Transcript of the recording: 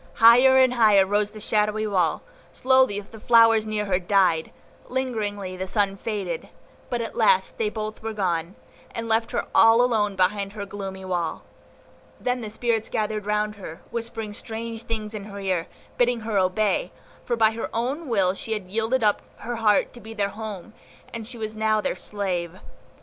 Higher and higher rose the shadowy wall, slowly the flowers near her died, lingeringly the sunlight faded; but at last they both were gone, and left her all alone behind the gloomy wall. Then the spirits gathered round her, whispering strange things in her ear, bidding her obey, for by her own will she had yielded up her heart to be their home, and she was now their slave.